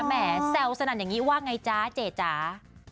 แซลสนันอย่างงี้ว่าไงจ๊ะเจ๊จ๊ะ